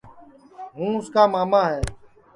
ہوں اُس کا ماما ہے